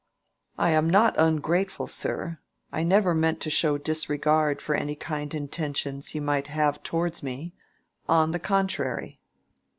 "I am not ungrateful, sir. I never meant to show disregard for any kind intentions you might have towards me. On the contrary."